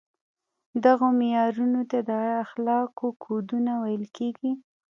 دغو معیارونو ته د اخلاقو کودونه ویل کیږي.